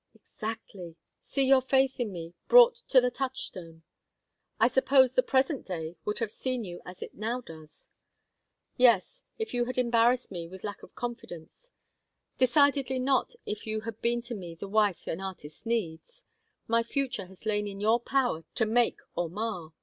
"Exactly. See your faith in me, brought to the touchstone!" "I suppose the present day would have seen you as it now does?" "Yes, if you had embarrassed me with lack of confidence. Decidedly not, if you had been to me the wife an artist needs. My future has lain in your power to make or mar.